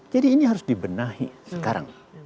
jadi ini harus dibenahi sekarang